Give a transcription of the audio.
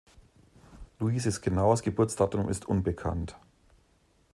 Louises genaues Geburtsdatum ist unbekannt.